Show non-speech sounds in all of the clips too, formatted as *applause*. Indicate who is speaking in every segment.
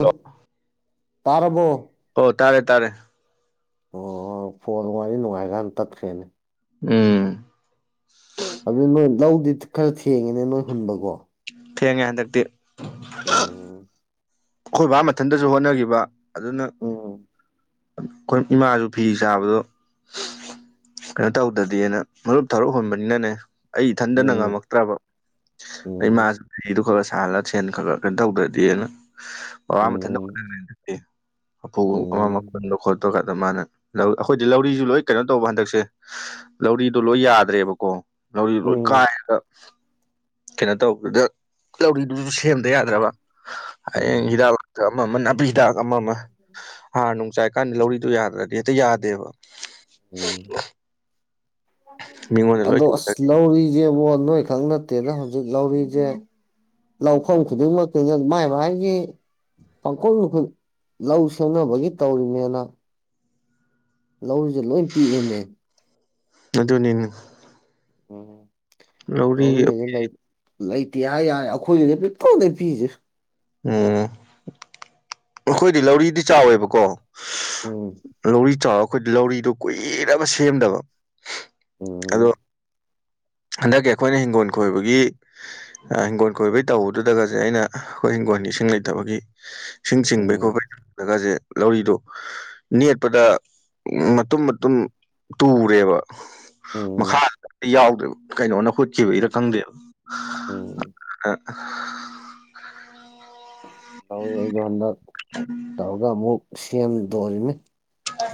Speaker 1: Hello
Speaker 2: ꯇꯥꯔꯕꯔꯕꯣ
Speaker 1: ꯑꯣ ꯇꯥꯔꯦ ꯇꯥꯔꯦ
Speaker 2: ꯑꯣ ꯐꯣꯟ ꯋꯥꯔꯤ ꯅꯨꯡꯉꯥꯏꯀꯥꯟ ꯇꯠꯈ꯭ꯔꯦꯅꯦ
Speaker 1: ꯎꯝ
Speaker 2: ꯑꯗꯨ ꯅꯣꯏ ꯂꯧꯗꯤ ꯈꯔ ꯊꯦꯡꯉꯤꯅꯦ ꯅꯣꯏ ꯍꯨꯟꯕꯀꯣ
Speaker 1: ꯊꯦꯡꯉꯦ ꯍꯟꯗꯛꯇꯤ
Speaker 2: ꯑꯣ
Speaker 1: ꯑꯩꯈꯣꯏ ꯕꯥ ꯃꯊꯟꯇꯁꯨ ꯍꯣꯠꯅꯈꯤꯕ ꯑꯗꯨꯅ
Speaker 2: ꯑꯣ
Speaker 1: ꯑꯩꯈꯣꯏ ꯏꯃꯥꯁꯨ ꯐꯤ ꯆꯥꯕꯗꯣ ꯀꯩꯅꯣ ꯇꯧꯗꯗꯤꯅ ꯃꯔꯨꯞ ꯊꯔꯨꯞ ꯍꯨꯣꯟꯕꯅꯤꯅꯅꯦ ꯑꯩ ꯏꯊꯟꯗꯅ
Speaker 2: ꯎꯝ
Speaker 1: ꯉꯝꯃꯛꯇ꯭ꯔꯕ
Speaker 2: ꯎꯝ
Speaker 1: ꯑꯩꯃꯁꯨ ꯂꯩꯗꯨ ꯈꯔ ꯁꯥꯍꯜꯂ ꯁꯦꯟ ꯈꯔ ꯈꯔ ꯀꯩꯅꯣ ꯇꯧꯗ꯭ꯔꯗꯤꯅ ꯃꯄꯥ ꯃꯊꯟꯇ
Speaker 2: ꯎꯝ
Speaker 1: ꯍꯣꯠ꯭ꯔꯦ ꯈꯦ ꯍꯥꯐꯨꯒ ꯑꯃ
Speaker 2: ꯎꯝ
Speaker 1: ꯃꯈꯜ ꯂꯧ ꯈꯣꯠ ꯇ ꯈ ꯃꯥꯅ ꯑꯩꯈꯣꯏꯗꯤ ꯂꯧꯔꯤꯁꯨ ꯂꯣꯏ ꯀꯩꯅꯣ ꯇꯧꯕ ꯍꯟꯗꯛꯁꯦ ꯂꯧꯔꯤꯗꯣ ꯂꯣꯏ ꯌꯥꯗ꯭ꯔꯦꯕꯀꯣ ꯂꯧꯔꯤꯗꯣ ꯂꯣꯏ
Speaker 2: ꯎꯝ
Speaker 1: ꯀꯥꯏꯔꯒ ꯀꯩꯅꯣ ꯇꯧꯕꯗꯨꯗ ꯂꯧꯔꯤꯗꯨꯗꯨꯁꯨ ꯁꯦꯝꯗ ꯌꯥꯗ꯭ꯔꯕ ꯍꯌꯦꯡ
Speaker 2: ꯎꯝ
Speaker 1: ꯍꯤꯗꯥꯛ ꯂꯥꯛꯇ ꯑꯃ ꯑꯃ ꯅꯥꯄꯤ ꯍꯤꯗꯥꯛ ꯑꯃ ꯑꯃ ꯍꯥ ꯅꯨꯡꯆꯥꯏꯀꯥꯟꯗꯤ ꯂꯧꯔꯤꯗꯨꯣ ꯌꯥꯗ꯭ꯔꯗꯤ ꯍꯦꯛꯇ ꯌꯥꯗꯦꯕ
Speaker 2: ꯎꯝ
Speaker 1: ꯃꯤꯉꯣꯟꯗ ꯂꯣꯏ
Speaker 2: ꯑꯗꯣ ꯑꯁ
Speaker 1: ꯇꯧꯗꯣꯏꯅꯦ
Speaker 2: ꯂꯧꯔꯤꯁꯦꯕꯣ ꯅꯣꯏ ꯈꯛ ꯅꯠꯇꯦꯅ ꯍꯧꯖꯤꯛ ꯂꯧꯔꯤꯁꯦ ꯂꯧꯐꯝ ꯈꯨꯗꯤꯡꯃꯛꯇꯨ ꯃꯥꯏ ꯃꯥꯒꯤ ꯄꯥꯡꯀꯣꯜꯈꯨ ꯂꯧ ꯁꯦꯝꯅꯕꯒꯤ ꯇꯧꯔꯤꯅꯦꯅ ꯂꯧꯔꯤꯨꯁꯦ ꯂꯣꯏ ꯄꯤꯛꯑꯃꯦ
Speaker 1: ꯑꯗꯨꯅꯤꯅꯦ
Speaker 2: ꯎꯝ
Speaker 1: ꯂꯧꯔꯤ
Speaker 2: ꯉꯥꯎꯕꯤꯒꯖꯦ ꯂꯩ ꯂꯩꯇꯦ ꯍꯥꯏ ꯌꯥꯏ ꯑꯩꯈꯣꯏꯒꯤꯗꯤ ꯄꯤꯛꯇ꯭ꯔꯨꯅꯦ ꯄꯤꯔꯤꯁꯦ
Speaker 1: ꯎꯝ ꯑꯩꯈꯣꯏꯗꯤ ꯂꯧꯔꯤꯗꯤ ꯆꯥꯎꯋꯦꯕꯀꯣ
Speaker 2: ꯎꯝ
Speaker 1: ꯂꯧꯔꯤ ꯆꯥꯎꯔ ꯑꯩꯈꯣꯏꯗꯤ ꯂꯧꯔꯤꯗꯣ ꯀꯨꯏꯔꯕ ꯁꯦꯝꯗꯕ ꯑꯗꯣ
Speaker 2: ꯎꯝ
Speaker 1: ꯍꯟꯗꯛꯀꯤ ꯑꯩꯈꯣꯏꯅ ꯍꯤꯡꯒꯣꯟ ꯀꯣꯏꯕꯒꯤ ꯑ ꯍꯤꯡꯒꯣꯟ ꯀꯣꯏꯕꯩ ꯇꯧꯕꯗꯨꯗꯒꯁꯦ ꯑꯩꯅ ꯑꯩꯈꯣꯏ ꯍꯤꯡꯒꯣꯟꯒꯤ ꯏꯁꯤꯡ ꯂꯩꯇꯕꯒꯤ ꯏꯁꯤꯡ ꯆꯤꯡꯕꯩ
Speaker 2: ꯎꯝ
Speaker 1: ꯈꯣꯠꯄꯩ ꯑꯗꯒꯁꯦ ꯂꯧꯔꯤꯗꯨꯣ ꯅꯦꯠꯄꯗ ꯃꯇꯨꯝ ꯃꯇꯨꯝ ꯇꯨꯔꯦꯕ ꯃꯈꯥ
Speaker 2: ꯎꯝ
Speaker 1: ꯌꯥꯎꯗ꯭ꯔꯦ ꯀꯩꯅꯣꯅ ꯍꯨꯠꯈꯤꯕ ꯏꯔ
Speaker 2: ꯎꯝ
Speaker 1: ꯈꯪꯗꯦꯕ
Speaker 2: ꯇꯧꯋꯤ ꯑꯩꯩꯅ ꯍꯟꯗꯛ ꯇꯧꯔꯒ ꯑꯃꯨꯛ ꯁꯦꯝꯗꯣꯜꯂꯤꯅꯤ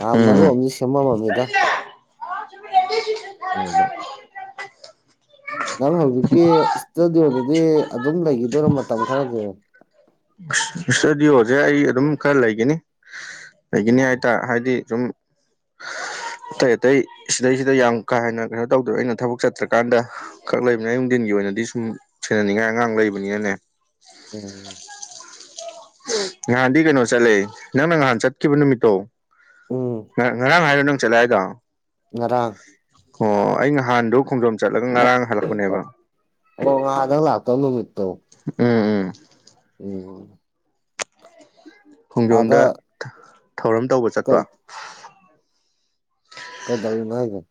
Speaker 2: ꯑ ꯃꯔꯨ
Speaker 1: ꯎꯝ
Speaker 2: ꯑꯃꯁ ꯁꯦꯝꯃꯝꯃꯝꯃꯤꯗ ꯌꯦꯕꯨ ꯅꯪ ꯍꯧꯖꯤꯛꯀꯤ ꯏꯁꯇꯨꯗꯤꯑꯣꯗꯗꯤ ꯑꯗꯨꯝ ꯂꯩꯈꯤꯗꯣꯏꯔꯣ ꯃꯇꯝ ꯈꯔꯗꯤ
Speaker 1: ꯏꯁꯇꯨꯗꯤꯑꯣꯁꯦ ꯑꯩ ꯑꯗꯨꯝ ꯈꯔ ꯂꯩꯒꯅꯤ ꯂꯩꯒꯅꯤ
Speaker 2: ꯎꯝ
Speaker 1: ꯍꯥꯏꯇꯥꯔꯦ ꯍꯥꯏꯗꯤ ꯁꯨꯝ
Speaker 2: *inaudible*
Speaker 1: ꯑꯇꯩ ꯑꯇꯩ ꯁꯤꯗꯩꯁꯤꯗ ꯌꯥꯝ ꯀꯥ ꯍꯦꯟꯅ ꯀꯩꯅꯣ ꯇꯧꯗꯣꯏ ꯑꯩꯅ ꯊꯕꯛ ꯆꯠꯇ꯭ꯔꯀꯥꯟꯗ ꯈꯛ ꯂꯩꯕꯅꯤ ꯑꯌꯨꯛ ꯅꯨꯡꯗꯤꯟꯒꯤ ꯑꯣꯏꯅꯗꯤ ꯁꯨꯝ ꯁꯦꯟꯅꯅꯤꯡꯉꯥꯏ ꯑꯉꯥꯡ ꯂꯩꯕꯅꯤꯅꯅꯦ
Speaker 2: ꯎꯝ
Speaker 1: ꯉꯍꯥꯟꯗꯤ ꯀꯩꯅꯣ ꯆꯠꯂꯦ ꯅꯪꯅ ꯉꯍꯥꯟ ꯆꯠꯈꯤꯕ ꯅꯨꯃꯤꯠꯇꯣ
Speaker 2: ꯎꯝ
Speaker 1: ꯉ ꯉꯔꯥꯡ ꯍꯥꯏꯔꯣ ꯅꯪ ꯆꯠꯂꯦ ꯍꯥꯏꯗꯣ
Speaker 2: ꯉꯔꯥꯡ
Speaker 1: ꯑꯣ ꯑꯩ ꯉꯍꯥꯟꯗꯣ ꯈꯣꯡꯖꯣꯝ ꯆꯠꯂꯒ
Speaker 2: ꯅꯪ
Speaker 1: ꯉꯔꯥꯡ ꯍꯜꯂꯛꯄꯅꯦꯕ
Speaker 2: ꯑꯣ ꯉꯍꯥꯟꯗꯪ ꯂꯥꯛꯇꯧ ꯅꯨꯃꯤꯠꯇꯣ
Speaker 1: ꯎꯝ ꯎꯝ
Speaker 2: ꯎꯝ ꯑꯥꯗ
Speaker 1: ꯈꯣꯡꯖꯣꯝꯗ ꯊꯧꯔꯝ ꯇꯧꯕ ꯆꯠꯄ
Speaker 2: ꯀꯩ ꯀꯩꯗꯧꯔꯤꯅꯣ ꯍꯥꯏꯖꯦ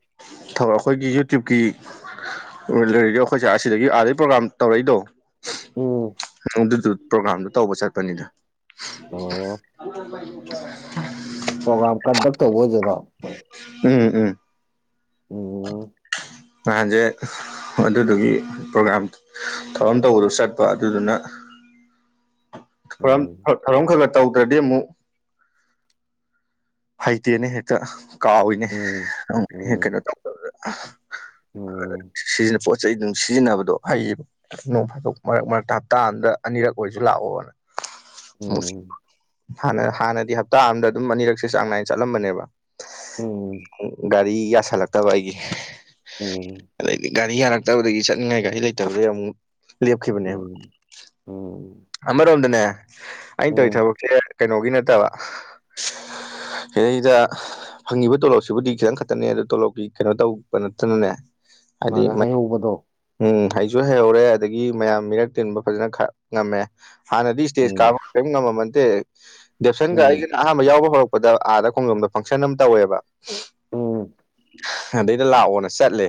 Speaker 1: ꯁꯧꯔ ꯑꯩꯈꯣꯏꯒꯤ ꯌꯨꯇ꯭ꯌꯨꯞꯀꯤ ꯂꯩꯔꯗꯤ ꯑꯩꯈꯣꯏꯁꯦ ꯑꯁꯤꯗꯒꯤ ꯑꯗꯩ ꯄ꯭ꯔꯣꯒꯥꯝ ꯇꯧꯔꯛꯏꯗꯣ
Speaker 2: ꯎꯝ
Speaker 1: ꯍꯩꯅꯧꯗꯨꯁꯨ ꯄ꯭ꯔꯣꯒ꯭ꯔꯥꯝꯗꯨ ꯇꯧꯕ ꯆꯠꯄꯅꯤꯗ
Speaker 2: ꯑꯣ ꯄ꯭ꯔꯣꯒꯥꯝ ꯀꯟꯗꯛ ꯇꯧꯕ ꯑꯣꯏꯗꯣꯏꯅꯣ
Speaker 1: ꯎꯝ ꯎꯝ
Speaker 2: ꯎꯝ
Speaker 1: ꯅꯍꯥꯟꯖꯦ ꯍꯣꯏ ꯑꯗꯨꯗꯨꯒꯤ ꯄ꯭ꯔꯣꯒꯥꯝ ꯊꯧꯔꯝ ꯇꯧꯕꯗꯣ ꯆꯠꯄ ꯑꯗꯨꯗꯨꯅ ꯊꯧꯔꯝ
Speaker 2: ꯎꯝ
Speaker 1: ꯊꯧꯔꯝ ꯈꯒ ꯇꯧꯗ꯭ꯔꯗꯤ ꯑꯃꯨꯛ ꯍꯩꯇꯦꯅꯦ ꯍꯦꯛꯇ ꯀꯥꯎꯋꯤꯅꯦ
Speaker 2: ꯎꯝ
Speaker 1: ꯑꯗꯨꯝ ꯍꯦꯛ ꯀꯩꯅꯣ
Speaker 2: ꯎꯝ
Speaker 1: ꯇꯧꯗꯕꯗ
Speaker 2: ꯎꯝ
Speaker 1: ꯁꯤꯖꯤꯟꯅꯄꯣꯠ ꯆꯩꯗꯨꯝ ꯁꯤꯖꯤꯟꯅꯕꯗꯣ ꯍꯩꯌꯦꯕ ꯅꯣꯡ ꯐꯥꯗꯣꯛ ꯃꯔꯛ ꯃꯔꯛꯇ ꯍꯞꯇꯥ ꯑꯃꯗ ꯑꯅꯤꯔꯛ ꯑꯣꯏꯖꯨ ꯂꯥꯛꯑꯣꯅ
Speaker 2: ꯎꯝ
Speaker 1: ꯍꯥꯟꯅ ꯍꯥꯟꯅꯗꯤ ꯍꯞꯇꯥ ꯑꯃꯗ ꯑꯗꯨꯝ ꯑꯅꯤꯔꯛ ꯁꯦ ꯆꯥꯡ ꯅꯥꯏꯅ ꯆꯠꯂꯝꯕꯅꯦꯕ
Speaker 2: ꯎꯝ
Speaker 1: ꯒꯥꯔꯤ ꯌꯥꯁꯜꯂꯛꯇꯕ ꯑꯩꯒꯤ
Speaker 2: ꯑꯣ
Speaker 1: ꯑꯗꯩꯗꯤ ꯒꯥꯔꯤ ꯌꯥꯔꯛꯇꯕꯗꯒꯤ ꯆꯠꯅꯤꯡꯉꯥꯏ ꯒꯥꯔꯤ ꯂꯩꯇꯕꯗꯒꯤ ꯑꯃꯨꯛ ꯂꯦꯞꯈꯤꯕꯅꯦꯕ
Speaker 2: ꯎꯝ ꯎꯝ
Speaker 1: ꯑꯃꯔꯣꯝꯗꯅꯦ ꯑꯩꯅ ꯇꯧꯋꯤ
Speaker 2: ꯎꯝ
Speaker 1: ꯊꯕꯛꯁꯦ ꯀꯩꯅꯣꯒꯤ ꯅꯠꯇꯕ
Speaker 2: *inaudible*
Speaker 1: ꯁꯤꯗꯩꯗ ꯐꯪꯉꯤꯕ ꯇꯣꯂꯣꯞꯁꯤꯕꯨꯗꯤ ꯈꯤꯇꯪ ꯈꯛꯇꯅꯦ ꯑꯗꯣ ꯇꯣꯂꯣꯞꯀꯤ ꯀꯩꯅꯣ ꯇꯧꯕ ꯅꯠꯇꯅꯅꯦ ꯍꯥꯏꯗꯤ ꯃꯩ
Speaker 2: ꯇꯧꯕꯗꯣ
Speaker 1: ꯎꯝ ꯍꯩꯁꯨ ꯍꯩꯍꯧꯔꯦ ꯑꯗꯒꯤ ꯃꯌꯥꯝ ꯃꯤꯔꯛ ꯇꯤꯟꯕ ꯐꯖꯅ ꯈ ꯉꯝꯃꯦ ꯍꯥꯟꯅꯗꯤ ꯏꯁꯇꯦꯖ
Speaker 2: ꯎꯝ
Speaker 1: ꯀꯥꯕ ꯀꯔꯤꯝ ꯉꯝꯃꯗꯦ ꯗꯦꯞꯁꯟꯒ
Speaker 2: ꯎꯝ
Speaker 1: ꯑꯩꯒꯅ ꯑꯍꯥꯟꯕ ꯌꯥꯎꯕ ꯍꯧꯔꯛꯄ ꯑꯥꯗ ꯈꯣꯡꯖꯣꯝꯗ ꯐꯪꯁꯟ ꯑꯃ ꯇꯧꯋꯦꯕ
Speaker 2: ꯎꯝ
Speaker 1: ꯑꯗꯩꯗ ꯂꯥꯛꯑꯣꯅ ꯆꯠꯂꯦ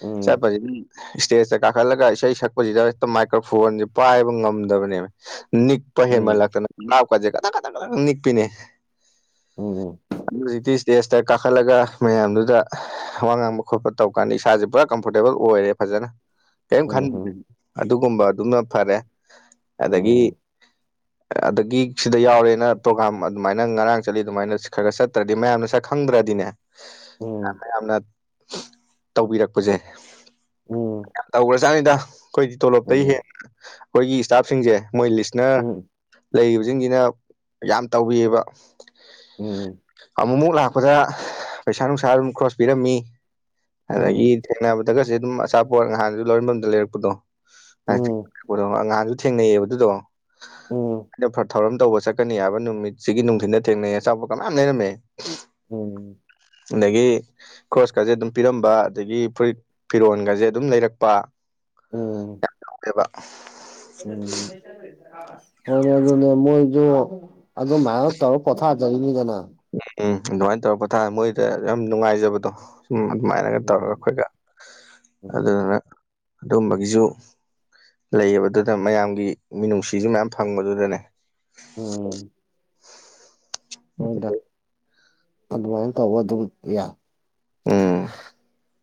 Speaker 2: ꯎꯝ
Speaker 1: ꯆꯠꯄꯁꯤꯗꯤ ꯏꯁꯇꯦꯖꯇ ꯀꯥꯈꯠꯂꯒ ꯏꯁꯩ ꯁꯛꯄꯁꯤꯗ ꯍꯦꯛꯇ ꯃꯥꯏꯀ꯭ꯔꯣꯐꯣꯟꯁꯦ ꯄꯥꯏꯕ ꯉꯝꯗꯕꯅꯦꯕ ꯅꯤ ꯄ
Speaker 2: ꯎꯝ
Speaker 1: ꯍꯦꯟꯃꯜꯂꯛꯇꯅ ꯅꯥꯞꯀꯁꯦ ꯅꯤꯛꯄꯤꯅꯦ
Speaker 2: ꯎꯝ ꯎꯝ
Speaker 1: ꯑꯗꯨ ꯍꯧꯖꯤꯛꯇꯤ ꯇꯦꯁꯇ ꯀꯥꯈꯠꯂꯒ ꯃꯌꯥꯝꯗꯨꯗ ꯋꯥ ꯉꯥꯡꯕ ꯈꯣꯠꯄ ꯇꯧꯀꯥꯟꯗ ꯏꯁꯥꯁꯦ ꯄꯨꯔꯥ ꯀꯝꯐꯣꯔꯇꯦꯕꯜ ꯑꯣꯏꯔꯦ ꯐꯖꯅ
Speaker 2: ꯎꯝ
Speaker 1: ꯀꯩꯝ ꯈꯟ
Speaker 2: ꯎꯝ
Speaker 1: ꯑꯗꯨꯒꯨꯝꯕ ꯑꯗꯨꯝꯅ ꯐꯔꯦ
Speaker 2: ꯎꯝ ꯎꯝ ꯎꯝ
Speaker 1: ꯑꯗꯒꯤ
Speaker 2: ꯎꯝ
Speaker 1: ꯑꯗꯒꯤ ꯁꯤꯗ ꯌꯥꯎꯔꯦꯅ ꯄ꯭ꯔꯣꯒꯥꯝ ꯑꯗꯨꯃꯥꯏꯅ ꯉꯔꯥꯡ ꯆꯠꯂꯤ ꯑꯗꯨꯃꯥꯏꯅ ꯈꯔ ꯒꯔ ꯆꯠ ꯅꯠꯇ꯭ꯔꯗꯤ ꯃꯌꯥꯝꯅ ꯁꯛꯈꯪꯗ꯭ꯔꯗꯤꯅꯦ
Speaker 2: ꯎꯝ
Speaker 1: ꯃꯌꯥꯝꯅ ꯇꯧꯕꯤꯔꯛꯄꯁꯦ
Speaker 2: ꯎꯝ
Speaker 1: ꯌꯥꯝ ꯇꯧꯒ꯭ꯔꯖꯥꯅꯤꯗ ꯑꯩꯈꯣꯏꯗꯤ ꯇꯣꯂꯣꯞꯇꯩ ꯍꯦꯟ ꯑꯩꯈꯣꯏꯒꯤ ꯏꯁꯇꯥꯞꯁꯤꯡꯖꯦ ꯃꯣꯏ ꯂꯤꯁꯅ꯭ꯔ
Speaker 2: ꯎꯝ
Speaker 1: ꯂꯩꯔꯤꯕꯖꯤꯡꯖꯤꯅ ꯌꯥꯝ ꯇꯧꯕꯤꯑꯕ
Speaker 2: ꯎꯝ
Speaker 1: ꯑꯃꯨꯛꯃꯨꯛ ꯂꯥꯛꯄꯗ ꯄꯩꯁꯥ ꯅꯨꯡꯁꯥ ꯑꯗꯨꯝ ꯀ꯭ꯔꯣꯁ ꯄꯤꯔꯝꯃꯤ ꯑꯗꯒꯤ
Speaker 2: ꯎꯝ ꯎꯝ
Speaker 1: ꯊꯦꯡꯅꯕꯗꯒꯁꯨ ꯑꯗꯨꯝ ꯑꯆꯥꯄꯣꯠ ꯅꯍꯥꯟ ꯂꯧꯔꯐꯝꯗ ꯂꯩꯔꯛꯄꯗꯣ
Speaker 2: ꯎꯝ
Speaker 1: ꯑꯉꯥꯡꯁꯨ ꯊꯦꯡꯅꯩꯑꯕ ꯑꯗꯨꯗꯣ ꯑꯩꯅ ꯊꯧꯔꯝ ꯇꯧꯕ ꯆꯠꯀꯅꯤ ꯍꯥꯏꯕ ꯅꯨꯃꯤꯠꯁꯤꯒꯤ ꯅꯨꯡꯊꯤꯗ ꯊꯦꯡꯅꯩ ꯑꯆꯄꯠ ꯀ ꯃꯌꯥꯝ ꯂꯩꯔꯝꯃꯦ
Speaker 2: ꯎꯝ
Speaker 1: ꯑꯗꯒꯤ ꯀ꯭ꯔꯣꯁꯀꯥꯁꯦ ꯑꯗꯨꯝ ꯄꯤꯔꯝꯕ ꯑꯗꯒꯤ ꯐꯨꯔꯤ ꯐꯤꯔꯣꯟ ꯒꯖꯦꯠ ꯑꯗꯨꯝ ꯂꯩꯔꯛꯄ ꯌꯥꯝ ꯌꯥꯎꯋꯦꯕ
Speaker 2: ꯎ ꯍ ꯑꯗꯨ ꯃꯣꯏꯁꯨꯣ ꯑꯗꯨ ꯃꯥꯏ ꯇꯔ ꯀꯊ ꯔꯤꯅꯤ
Speaker 1: ꯎꯝ ꯎꯝ ꯑꯗꯨꯃꯥꯏꯅ ꯇꯧꯔꯒ ꯄꯣꯊꯥꯔ ꯃꯣꯏꯗ ꯌꯥꯝ ꯅꯨꯡꯉꯥꯏꯖꯕꯗꯣ ꯁ ꯑꯗꯨꯃꯥꯏꯅꯒ ꯇꯧꯔꯒ
Speaker 2: ꯎꯝ
Speaker 1: ꯑꯩꯈꯣꯏꯒ
Speaker 2: ꯎꯝ
Speaker 1: ꯑꯗꯨꯗꯨꯅ ꯑꯗꯨꯝꯕꯒꯤꯁꯨ ꯂꯩꯌꯦꯕꯗꯨꯗ ꯃꯌꯥꯝꯒꯤ ꯃꯤꯅꯨꯡꯁꯤꯁꯨ ꯃꯌꯥꯝ ꯐꯪꯕꯗꯨꯗꯅꯦ
Speaker 2: ꯑꯣꯝ ꯍꯣꯏꯗ ꯑꯗꯨꯃꯥꯏꯅ ꯇꯧꯕ ꯑꯗꯨꯝ ꯌꯥ
Speaker 1: ꯎꯝ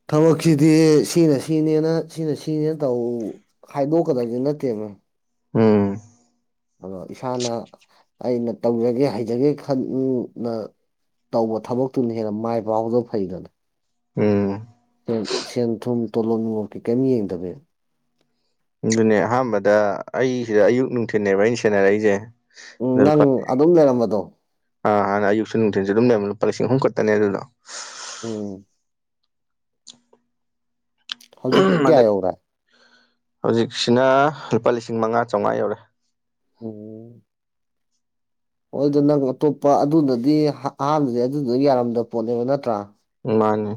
Speaker 2: ꯊꯕꯛꯁꯤꯗꯤ ꯁꯤꯅ ꯁꯤꯅꯦꯅ ꯁꯤꯅ ꯁꯤꯅꯦꯅ ꯇꯧ ꯍꯥꯏꯗꯣꯛꯀꯗꯕꯁꯦ ꯅꯠꯇꯦ ꯃꯣꯏ
Speaker 1: ꯎꯝ
Speaker 2: ꯑꯗꯣ ꯏꯁꯥꯅ ꯑꯩꯅ ꯇꯧꯖꯒꯦ ꯍꯩꯖꯒꯦ ꯈꯜꯅ ꯇꯧꯕ ꯊꯕꯛꯇꯨꯅ ꯍꯦꯟꯅ ꯃꯥꯏ ꯄꯥꯎꯗꯕ ꯐꯩꯒꯅꯤ
Speaker 1: ꯎꯝ
Speaker 2: ꯁꯦꯟ ꯊꯨꯝ ꯇꯣꯂꯣꯝ ꯅꯨꯡꯣꯞꯀꯤ ꯀꯩꯝ ꯌꯦꯡꯗꯕ
Speaker 1: ꯑꯗꯨꯅꯦ ꯑꯍꯥꯟꯕꯗ ꯑꯩ ꯁꯤꯗ ꯑꯌꯨꯛ ꯅꯨꯡꯊꯤꯜꯕ ꯑꯩꯅ ꯁꯦꯟꯅꯔꯛꯏꯁꯦ
Speaker 2: ꯎꯝ ꯅꯪ ꯑꯗꯨꯝ ꯂꯩꯔꯝꯕꯗꯣ
Speaker 1: ꯑ ꯍꯥꯟꯅ ꯑꯌꯨꯛꯁꯨ ꯅꯨꯡꯊꯤꯟꯁꯨ ꯑꯗꯨꯝ ꯂꯩꯔꯕ ꯂꯨꯄꯥ ꯂꯤꯁꯤꯡ ꯑꯍꯨꯝ ꯈꯛꯇꯅꯦ ꯑꯗꯨꯗꯣ
Speaker 2: ꯎꯝ ꯍꯧꯖꯤꯛꯤꯒ ꯀꯌꯥ
Speaker 1: ꯑꯗꯩ
Speaker 2: ꯌꯧꯔꯥ
Speaker 1: ꯍꯧꯖꯤꯛꯁꯤꯅ ꯂꯨꯄꯥ ꯂꯤꯁꯤꯡ ꯃꯉꯥ ꯆꯥꯝꯃꯉꯥ ꯌꯧꯔꯦ
Speaker 2: ꯑꯣꯝ ꯍꯣꯏꯗ ꯅꯪ ꯑꯇꯣꯞꯄ ꯑꯗꯨꯅꯗꯤ ꯑꯍꯥꯟꯕꯗꯤ ꯑꯗꯨꯗꯨꯗ ꯌꯥꯔꯝꯗꯕ ꯄꯣꯠꯅꯦꯕ ꯅꯠꯇ꯭ꯔ
Speaker 1: ꯃꯥꯅꯦ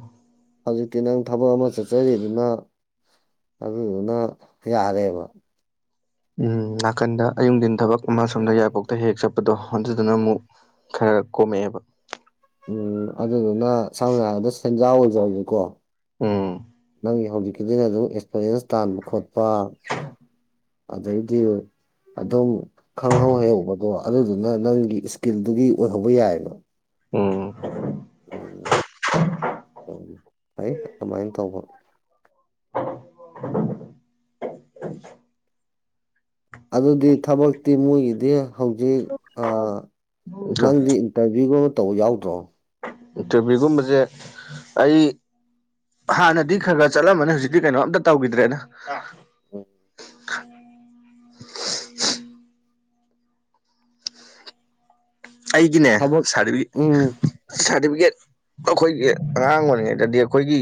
Speaker 2: ꯍꯧꯖꯤꯛꯇꯤ ꯅꯪ ꯊꯕꯛ ꯑꯃ ꯆꯠꯆꯔꯤꯗꯨꯅ ꯑꯗꯨꯗꯨꯅ ꯌꯥꯔꯦꯕ
Speaker 1: ꯎꯝ ꯅꯥꯀꯟꯗ ꯑꯌꯨꯛꯗꯤꯟ ꯊꯕꯛ ꯑꯃ ꯁꯣꯝꯗ ꯌꯥꯏꯄꯣꯛꯇ ꯍꯦꯛ ꯆꯠꯄꯗꯣ ꯍꯣꯟꯖꯗꯨꯅ ꯑꯃꯨꯛ ꯈꯔ ꯀꯣꯝꯃꯛꯑꯦꯕ
Speaker 2: ꯎꯝ ꯑꯗꯨꯗꯨꯅ ꯁꯝꯅ ꯍꯥꯏꯔꯕꯗ ꯁꯦꯟꯖꯥꯎ ꯑꯣꯏꯖꯔꯁꯦꯀꯣ
Speaker 1: ꯎꯝ
Speaker 2: ꯅꯪꯒꯤ ꯍꯧꯖꯤꯛꯀꯤꯅ ꯑꯗꯨꯝ ꯑꯦꯛꯁꯄꯔꯤꯟꯁ ꯇꯥꯟꯕ ꯈꯣꯠꯄ꯫ ꯑꯗꯩꯗꯤ ꯑꯗꯨꯝ꯫ ꯈꯪꯍꯧ ꯍꯩꯍꯧꯕꯗꯣ ꯑꯗꯨꯗꯨꯅ ꯅꯪꯒꯤ ꯏꯁꯀꯤꯜꯗꯨꯒꯤ ꯑꯣꯏꯍꯧꯕ ꯌꯥꯏꯌꯦꯕ꯫
Speaker 1: ꯎꯝ꯫
Speaker 2: ꯎꯝ ꯎꯝ ꯐꯩ ꯑꯗꯨꯃꯥꯏꯅ ꯇꯧꯕ꯫
Speaker 1: *inaudible*
Speaker 2: ꯑꯗꯨꯗꯤ ꯊꯕꯛꯇꯤ ꯃꯣꯏꯒꯤꯗꯤ ꯍꯧꯖꯤꯛ ꯑꯥ ꯅꯪꯗꯤ꯫ ꯏꯟꯇꯔꯚꯤꯌꯒꯨꯝꯕ ꯇꯧꯕ ꯌꯥꯎꯗ꯭ꯔꯣ꯫
Speaker 1: ꯏꯟ ꯇꯤꯚꯤꯒꯨꯝꯕꯖꯦ ꯑꯩ ꯍꯥꯟꯅꯗꯤ ꯈꯔ ꯈꯔ ꯆꯠꯂꯝꯃꯅꯤ ꯍꯧꯖꯤꯛꯇꯤ ꯀꯩꯅꯣ ꯑꯝꯇ ꯇꯧꯈꯤꯗ꯭ꯔꯦꯅ
Speaker 2: ꯑꯣ
Speaker 1: ꯑꯩꯒꯤꯅꯦ
Speaker 2: ꯊꯕꯛ ꯎꯝ
Speaker 1: ꯁꯥꯔꯇꯤꯐꯤꯀꯦꯠ ꯑꯩꯈꯣꯏꯒꯤ ꯑꯉꯥꯡ ꯑꯣꯏꯔꯤꯉꯩꯗꯗꯤ ꯑꯩꯈꯣꯏꯒꯤ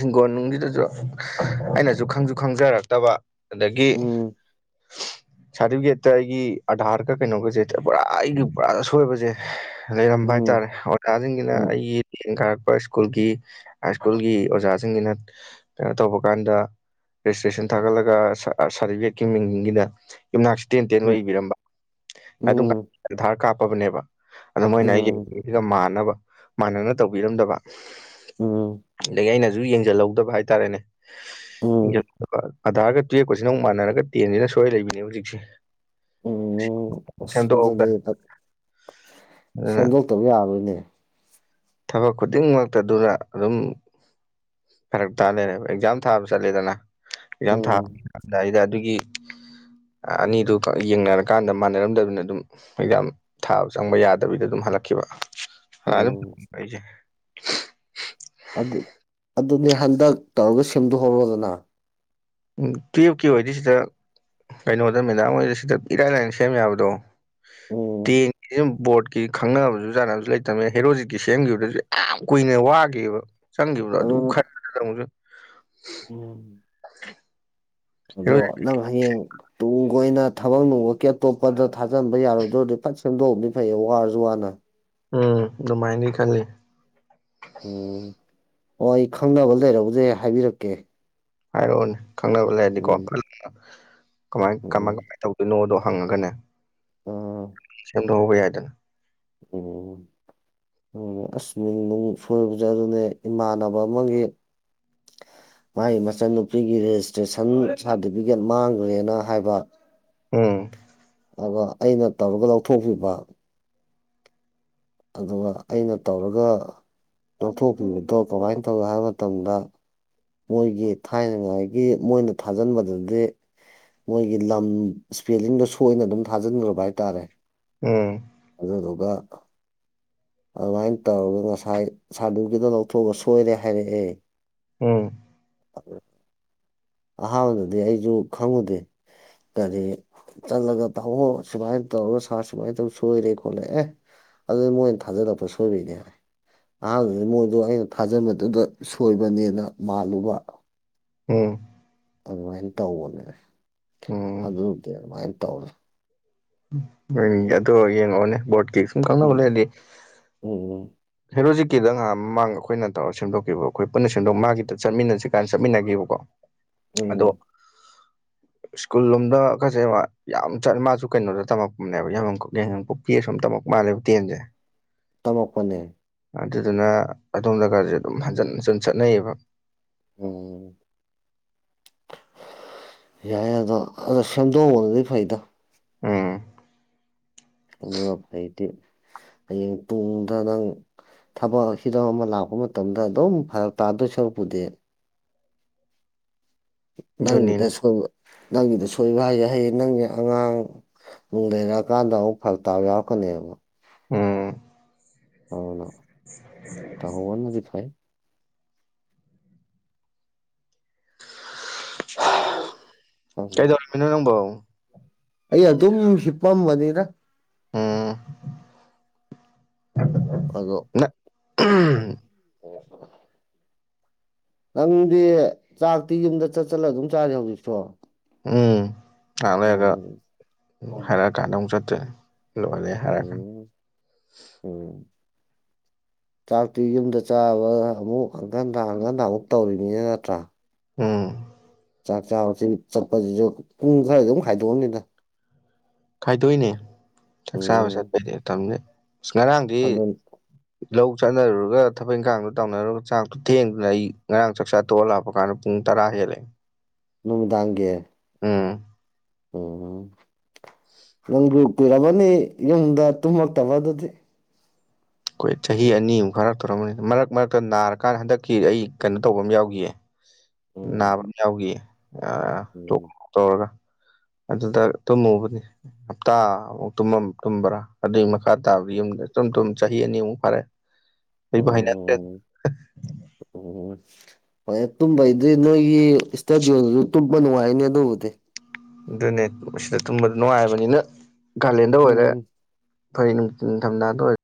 Speaker 1: ꯍꯤꯡꯒꯣꯜ ꯅꯨꯡꯁꯤꯗꯁꯨ ꯑꯩꯅꯁꯨ ꯈꯪꯁꯨ ꯈꯪꯖꯔꯛꯇꯕ ꯑꯗꯒꯤ
Speaker 2: ꯎꯝ
Speaker 1: ꯁꯥꯔꯇꯤꯐꯤꯀꯦꯠꯇ ꯑꯩꯒꯤ ꯑꯙꯥꯔꯒ ꯀꯩꯅꯣꯒꯁꯦ ꯄꯨꯔꯥ ꯑꯩꯒꯤ ꯄꯨꯔꯥ ꯑꯁꯣꯏꯕꯁꯦ ꯂꯩꯔꯝꯕ
Speaker 2: ꯎꯝ
Speaker 1: ꯍꯥꯏꯇꯥꯔꯦ ꯑꯣꯖꯥꯁꯤꯡꯁꯤꯅ
Speaker 2: ꯎꯝ
Speaker 1: ꯑꯩꯒꯤ ꯇꯦꯟ ꯀꯥꯔꯛꯄ ꯁ꯭ꯀꯨꯜꯒꯤ ꯍꯥꯏ ꯁ꯭ꯀꯨꯜꯒꯤ ꯑꯣꯖꯥꯁꯤꯡꯁꯤꯅ꯫ ꯀꯩꯅꯣ ꯇꯧꯕ ꯀꯥꯟꯗ ꯔꯦꯖꯤꯁꯇ꯭ꯔꯦꯁꯟ ꯊꯥꯒꯠꯂꯒ ꯁꯥꯔꯇꯤꯐꯤꯀꯦꯠꯀꯤ ꯃꯤꯡꯒꯤꯗ꯫ ꯌꯨꯝꯅꯥꯛꯁꯤ ꯇꯦꯟ ꯇꯦꯟ ꯂꯩꯕꯤꯔꯝꯕ ꯑꯗꯨ
Speaker 2: ꯎꯝ
Speaker 1: ꯑꯙꯥꯔ ꯀꯥꯔꯠ꯫ ꯀꯞꯄꯕꯅꯦꯕ ꯑꯗꯨꯗ
Speaker 2: ꯎꯝ
Speaker 1: ꯃꯣꯏꯅ ꯑꯩ *unintelligible* ꯃꯥꯟꯅꯕ ꯃꯥꯟꯅꯅ ꯇꯧꯕꯤꯔꯝꯗꯕ꯫
Speaker 2: ꯎꯝ
Speaker 1: ꯑꯗꯒꯤ ꯑꯩꯅꯁꯨ ꯌꯦꯡꯁꯤꯜꯍꯧꯗꯕ ꯍꯥꯏꯇꯥꯔꯦꯅꯦ꯫
Speaker 2: ꯎꯝ
Speaker 1: ꯑꯥꯔꯒ ꯇꯨꯌꯦꯞꯀꯁꯤꯅ ꯑꯃꯨꯛ ꯃꯥꯟꯅꯔꯒ ꯇꯦꯟꯁꯤꯅ ꯁꯣꯏ ꯂꯩꯕꯤꯅꯦ ꯍꯧꯖꯤꯛꯁꯦ꯫
Speaker 2: ꯎꯝ ꯑꯁ ꯑꯗꯨꯗꯤ
Speaker 1: ꯁꯦꯝꯗꯣꯛꯍꯧꯗꯅ ꯑꯗꯨꯅ
Speaker 2: ꯁꯦꯝꯗꯣꯛꯇꯕ ꯌꯥꯔꯣꯏꯅꯦ꯫
Speaker 1: ꯊꯕꯛ ꯈꯨꯗꯤꯡꯃꯛꯇ ꯑꯗꯨꯅ ꯑꯗꯨꯝ꯫ ꯐꯔꯛ ꯇꯥ ꯂꯩꯔꯕ ꯑꯦꯛꯖꯥꯝ ꯊꯥꯕ ꯆꯠꯂꯦꯗꯅ꯫ ꯑꯦꯛꯖꯥꯝ
Speaker 2: ꯎꯝ
Speaker 1: ꯊꯥꯔꯝꯗꯥꯏꯗ ꯑꯗꯨꯒꯤ꯫ ꯑꯅꯤꯗꯨ ꯌꯦꯡꯅꯔꯀꯥꯟꯗ ꯃꯥꯟꯅꯔꯝꯗꯕꯅꯦ ꯑꯗꯨꯝ꯫ ꯑꯦꯛꯖꯥꯝ ꯊꯥꯕ ꯆꯪꯕ ꯌꯥꯗꯕꯤꯗ ꯑꯗꯨꯝ ꯍꯜꯂꯛꯈꯤꯕ ꯑꯗꯨꯅ ꯑꯗꯨꯝ
Speaker 2: ꯎꯝ
Speaker 1: ꯑꯩꯁꯦ꯫
Speaker 2: ꯑꯗꯨ ꯑꯗꯨꯅꯦ ꯍꯟꯗꯛ ꯇꯧꯔꯒ ꯁꯦꯝꯗꯣꯛꯍꯧꯔꯗꯅ꯫
Speaker 1: ꯎꯝ ꯇꯨꯌꯦꯞꯀꯤ ꯑꯣꯏꯗꯤ ꯁꯤꯗ ꯀꯩꯅꯣꯗ ꯃꯦꯗꯥꯝ ꯍꯣꯏꯗ ꯁꯤꯗ ꯏꯔꯥꯏ ꯂꯥꯏꯅ ꯁꯦꯝ ꯌꯥꯕꯗꯣ꯫
Speaker 2: ꯎꯝ
Speaker 1: ꯇꯦꯟꯒꯤꯁꯤ *unintelligible* ꯕꯣꯔꯠꯀꯤ ꯈꯪꯅꯕꯁꯨ ꯆꯥꯅꯕꯁꯨ ꯂꯩꯇꯕꯃꯦ ꯍꯦꯔꯣꯖꯤꯠꯀꯤ ꯁꯦꯝꯈꯤꯕꯗꯁꯨ ꯌꯥꯝ ꯀꯨꯏꯅ ꯋꯥꯒꯤꯕ꯫ ꯆꯪꯒꯤꯟꯗꯨ ꯑꯗꯨ
Speaker 2: ꯑꯗꯨꯅ
Speaker 1: ꯈꯟꯕꯗ *unintelligible*
Speaker 2: ꯎꯝ꯫
Speaker 1: *unintelligible*
Speaker 2: ꯑꯗꯣ ꯅꯪ ꯍꯌꯦꯡ꯫ ꯇꯨꯡ ꯀꯣꯏꯅ ꯊꯕꯛ ꯅꯨꯡꯉꯛꯀꯤ ꯑꯇꯣꯞꯄꯗ ꯊꯥꯖꯟꯕ ꯌꯥꯔꯣꯏꯗꯧꯗꯤ ꯐꯠ ꯁꯦꯝꯗꯣꯛꯈꯤꯕꯗꯤ ꯐꯩꯌꯦ ꯋꯥꯔꯁꯨ ꯋꯥꯅ꯫
Speaker 1: ꯎꯝ ꯑꯗꯨꯃꯥꯏꯅꯗꯤ ꯈꯜꯂꯤ꯫
Speaker 2: ꯎꯝ ꯑꯣ ꯑꯩ ꯈꯪꯅꯕ ꯂꯩꯔꯕꯨꯗꯤ ꯑꯩ ꯍꯥꯏꯕꯤꯔꯛꯀꯦ꯫
Speaker 1: ꯍꯥꯏꯔꯛꯑꯣꯅꯦ ꯈꯪꯅꯕ ꯂꯩꯔꯗꯤꯀꯣ
Speaker 2: ꯎꯝ
Speaker 1: ꯀꯃꯥꯏ ꯀꯃꯥꯏ
Speaker 2: ꯎꯝ
Speaker 1: ꯀꯃꯥꯏꯅ ꯇꯧ ꯅꯣꯗꯣ ꯍꯪꯉꯒꯅꯦ
Speaker 2: ꯑꯥ
Speaker 1: ꯁꯦꯝꯗꯣꯛꯍꯧꯕ ꯌꯥꯏꯗꯅ꯫
Speaker 2: ꯎꯝ꯫ ꯎꯝ ꯑꯁ ꯃꯤꯡ ꯅꯨꯡ ꯁꯣꯏꯕꯁꯦ ꯑꯗꯨꯅꯦ ꯏꯃꯥꯟꯅꯕ ꯑꯃꯒꯤ꯫ ꯃꯥꯏꯒꯤ ꯃꯆꯟꯅꯨꯄꯤꯒꯤ ꯔꯦꯖꯤꯁꯇ꯭ꯔꯦꯁꯟ ꯁꯥꯔꯇꯤꯐꯤꯀꯦꯠ ꯃꯥꯡꯒꯔꯦꯅ ꯍꯥꯏꯕ꯫
Speaker 1: ꯎꯝ꯫
Speaker 2: ꯑꯗꯨꯒ ꯑꯩꯅ ꯇꯧꯔꯒ ꯂꯧꯊꯣꯛꯄꯤꯕ꯫ ꯑꯗꯨꯒ ꯑꯩꯅ ꯇꯧꯔꯒ ꯂꯧꯊꯣꯛꯄꯤꯕꯗꯣ ꯀꯃꯥꯏꯅ ꯇꯧꯒꯦ ꯍꯥꯏꯕ ꯃꯇꯝꯗ꯫ ꯃꯣꯏꯒꯤ ꯊꯥꯏꯅꯉꯥꯏꯒꯤ ꯃꯣꯏꯅ ꯊꯥꯖꯤꯟꯕꯗꯨꯗꯤ꯫ ꯃꯣꯏꯒꯤ ꯂꯝ ꯏꯁꯄꯦꯂꯤꯡꯗꯣ ꯁꯣꯏꯅ ꯑꯗꯨꯝ ꯊꯥꯖꯤꯟꯈ꯭ꯔꯕ ꯍꯥꯏꯇꯥꯔꯦ
Speaker 1: ꯎꯝ
Speaker 2: ꯑꯗꯨꯗꯨꯒ ꯑꯗꯨꯃꯥꯏꯅ ꯇꯧꯔꯒ ꯉꯁꯥꯏ ꯁꯥꯔꯇꯤꯐꯤꯀꯦꯠꯇꯣ ꯂꯧꯊꯣꯛꯑꯒ ꯁꯣꯏꯔꯦ ꯍꯥꯏꯔꯛꯑꯦ
Speaker 1: ꯎꯝ
Speaker 2: ꯑꯗꯨ ꯑꯍꯥꯟꯕꯗꯗꯤ ꯑꯩꯁꯨ ꯈꯪꯉꯨꯗꯦ ꯀꯔꯤ ꯆꯠꯂꯒ ꯇꯧꯍꯣ ꯁꯨꯃꯥꯏꯅ ꯇꯧꯔꯒ ꯁꯥ ꯁꯨꯃꯥꯏꯅ ꯇꯧ ꯁꯣꯏꯔꯦ ꯈꯣꯠꯂꯛ ꯑꯦ ꯑꯗꯨꯗꯤ ꯃꯣꯏꯅ ꯊꯥꯖꯔꯛꯄ ꯁꯣꯏꯕꯤꯔꯤꯅꯦ ꯍꯥꯏ ꯑꯍꯥꯟꯕꯗ ꯃꯣꯏꯗꯣ ꯑꯩꯅ ꯊꯥꯖꯟꯕꯗꯨꯗ ꯁꯣꯏꯕꯅꯦꯅ ꯃꯥꯜꯂꯨꯕ
Speaker 1: ꯎꯝ꯫
Speaker 2: ꯑꯗꯨꯃꯥꯏꯅ ꯇꯧꯕꯅꯦ꯫
Speaker 1: ꯎꯝ
Speaker 2: ꯑꯗꯨꯗꯤ ꯑꯗꯨꯃꯥꯏꯅ ꯇꯧꯔ꯫
Speaker 1: ꯎꯝ ꯑꯗꯨ ꯌꯦꯡꯉꯛꯑꯣꯅꯦ ꯕꯣꯠꯀꯤ ꯁꯨꯝ ꯈꯪꯅꯕ ꯂꯩꯔꯗꯤ꯫
Speaker 2: ꯎꯝ ꯎꯝ꯫
Speaker 1: ꯍꯦꯔꯣꯖꯤꯛꯀꯤꯗ ꯉꯥꯏꯍꯥꯟ ꯃꯃꯥꯡ ꯑꯩꯈꯣꯏꯅ ꯇꯧꯔ ꯁꯦꯝꯗꯣꯛꯈꯤꯕ ꯑꯩꯈꯣꯏ ꯄꯨꯟꯅ ꯁꯦꯝꯗꯣꯛ ꯃꯥꯒꯤꯗ ꯆꯠꯃꯤꯟꯅꯁꯤ ꯀꯥꯟꯅ ꯆꯠꯃꯤꯟꯅꯈꯤꯕꯀꯣ꯫
Speaker 2: *inaudible*
Speaker 1: ꯑꯗꯣ꯫
Speaker 2: *inaudible*
Speaker 1: ꯁ꯭ꯀꯨꯜ ꯂꯣꯝꯗ *unintelligible* ꯃꯥꯁꯨ ꯀꯩꯅꯣꯗ ꯇꯝꯃꯛꯄꯅꯦ ꯌꯥꯉꯥꯝ ꯌꯥꯡꯒꯪ ꯄꯦꯁ ꯑꯨꯝꯇꯧꯛ ꯃꯥꯜꯂꯦꯕ ꯇꯦꯟꯁꯦ
Speaker 2: ꯇꯝꯃꯛꯄꯅꯦ
Speaker 1: ꯑꯗꯨꯗꯨꯅ ꯑꯗꯣꯝꯗꯒꯥꯥꯁꯦ ꯑꯗꯨꯝ ꯍꯟꯖꯤꯟ ꯍꯟꯖꯟ ꯆꯠꯅꯩꯌꯦꯕ
Speaker 2: ꯎꯝ ꯌꯥꯏꯦꯗ ꯑꯗ ꯁꯦꯝꯝꯗꯣꯡꯗꯤ ꯐꯥꯏꯗ
Speaker 1: ꯎꯝ
Speaker 2: ꯑꯗꯨꯒ ꯍꯧꯛꯇ ꯍꯌꯦꯡ ꯇꯨꯡꯗ ꯅꯪ ꯊꯕꯛ ꯍꯤꯔꯝ ꯑꯃ ꯂꯥꯛꯄ ꯃꯇꯝꯗ ꯑꯗꯨꯝ ꯐꯔꯛ ꯇꯥꯗꯣꯏ ꯁꯔꯨꯛ ꯄꯨꯗꯤꯦ
Speaker 1: ꯑꯗꯨꯅꯤꯅꯦ
Speaker 2: ꯅꯪꯒꯤꯗꯣꯏꯕ ꯅꯪꯒꯤꯗ ꯁꯣꯏꯕ ꯍꯩ ꯍꯩ ꯅꯪꯒꯤ ꯑꯉꯥꯡ ꯅꯨꯡ ꯂꯩꯔꯛꯑꯀꯥꯟꯗ ꯑꯃꯨꯛ ꯐꯔꯛ ꯇꯥꯕ ꯌꯥꯎꯔꯛꯀꯅꯦꯕ
Speaker 1: ꯎꯝ
Speaker 2: ꯑꯅ ꯇ ꯍꯅꯖꯤꯐꯥꯏ
Speaker 1: ꯀꯩꯗꯔꯃꯤꯅꯣ ꯅꯪꯕ
Speaker 2: ꯑꯩꯌꯦ ꯑꯗꯨꯝ ꯁꯤꯞꯄꯝꯝꯕꯅꯤꯔ
Speaker 1: ꯎꯝ
Speaker 2: ꯑꯗꯣ
Speaker 1: ꯅꯪ
Speaker 2: ꯅꯪꯗꯤ ꯆꯥꯛꯇꯤ ꯌꯨꯝꯗ ꯆꯠ ꯆꯠꯂ ꯑꯗꯨꯝ ꯆꯥꯔꯦ ꯍꯧꯖꯤꯛꯁꯨꯣ
Speaker 1: ꯎꯝ ꯉꯍꯥꯛ ꯂꯩꯔꯒ ꯍꯥꯏꯔꯛꯑꯀꯥꯟꯗ ꯑꯃꯨꯛ ꯆꯠꯇꯦ ꯍꯣꯦ ꯍꯥꯏꯔ ꯈꯥꯟ
Speaker 2: ꯑꯣꯝ ꯆꯥꯛꯇꯤ ꯌꯨꯝꯗ ꯆꯥꯕ ꯑꯃꯨꯛ ꯍꯪꯀꯟꯗ ꯍꯟꯀꯟꯗ ꯑꯃꯨꯛ ꯇꯧꯔꯤꯅꯤꯅ ꯅꯠꯇ꯭ꯔꯥ
Speaker 1: ꯎꯝ
Speaker 2: ꯆꯥꯛ ꯆꯥꯁꯤ ꯆꯠꯄꯁꯤꯁꯨ ꯄꯨꯡ ꯈꯔꯗ ꯑꯗꯨꯝ ꯍꯥꯏꯗꯣꯛꯑꯅꯤꯗ
Speaker 1: ꯈꯥꯏꯗꯣꯛꯅꯦ ꯆꯥꯛ ꯆꯥꯕ
Speaker 2: ꯎꯝ
Speaker 1: ꯆꯠꯄꯗꯤꯝ ꯑꯁ ꯉꯔꯥꯡꯗꯤ
Speaker 2: ꯑꯗꯨ
Speaker 1: ꯂꯧ ꯆꯥꯅꯔꯨꯔꯒ ꯊꯕꯛ ꯏꯪꯈꯥꯡꯗꯣ ꯇꯧꯅꯔꯨꯔꯒ ꯆꯥꯛꯇꯣ ꯊꯦꯡꯗꯅ ꯑꯩ ꯉꯔꯥꯡ ꯆꯥꯛꯆꯥꯥ ꯇꯣꯂꯄ ꯀꯥꯟ ꯄꯨ ꯇꯔꯑ ꯂꯩꯦ
Speaker 2: ꯅꯨꯃꯤꯗꯥꯡꯒꯤ
Speaker 1: ꯎꯝ
Speaker 2: ꯎꯝ ꯅꯪꯕꯨ ꯀꯨꯏꯔꯕꯅꯤ ꯌꯨꯝꯗ ꯇꯨꯝꯃꯛꯇꯕ ꯑꯗꯨꯗꯤ
Speaker 1: ꯑꯩꯈꯣꯏ ꯆꯍꯤ ꯑꯅꯤꯃꯨꯛ ꯐꯥꯔꯛꯇꯧꯔꯝꯃꯅꯤ ꯃꯔꯛ ꯃꯔꯛꯇ ꯅꯥꯔꯀꯥꯟꯗ ꯍꯟꯗꯛꯀꯤ ꯑꯩ ꯀꯩꯅꯣ ꯇꯧꯕ ꯑꯃ ꯌꯥꯎꯒꯤꯌꯦ
Speaker 2: ꯎꯝ
Speaker 1: ꯅꯥꯕ ꯑꯃ ꯌꯥꯎꯈꯤꯌꯦ ꯇꯣꯛ
Speaker 2: ꯎꯝ
Speaker 1: ꯇꯧꯔꯒ ꯑꯗꯨꯗ ꯇꯨꯝꯃꯨꯕꯅꯦ ꯍꯞꯇꯥ ꯑꯃꯨꯛ ꯇꯨꯝꯕ꯭ꯔꯥ ꯑꯗꯨꯏ ꯃꯈꯥ ꯇꯥꯕꯗꯤ ꯌꯨꯝꯗꯨꯝ ꯆꯍꯤ ꯑꯅꯤꯃꯨꯛ ꯐꯥꯔꯦ
Speaker 2: *inaudible*
Speaker 1: ꯍꯩꯕꯨ ꯍꯩꯅꯗ꯭ꯔꯦꯗ
Speaker 2: ꯑꯣ ꯍꯣꯏ ꯇꯨꯝꯕꯩꯗꯤ ꯅꯣꯏꯒꯤ ꯏꯁꯇꯗꯤꯑꯣꯗꯨꯁꯨ ꯇꯨꯝꯕ ꯅꯨꯡꯉꯥꯏꯅꯦ ꯑꯗꯨꯕꯨꯗꯤ
Speaker 1: ꯑꯗꯨꯅꯦ ꯁꯤꯗ ꯇꯨꯝꯕꯗ ꯅꯨꯡꯉꯥꯏꯕꯅꯤꯅ ꯒꯥꯥꯂꯦꯟꯗ ꯑꯣꯏꯔꯦ
Speaker 2: ꯎꯝ
Speaker 1: ꯐꯩ ꯅꯤꯡꯊꯝꯊꯥꯗ ꯑꯣꯏ